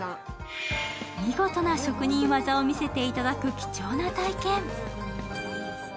見事な職人技を見せていただく貴重な体験。